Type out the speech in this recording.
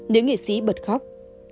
nữ nghệ sĩ bật khóc